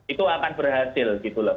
itu akan berhasil gitu loh